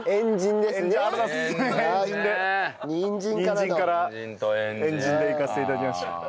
にんじんから円陣でいかせて頂きました。